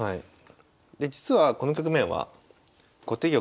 で実はこの局面は後手玉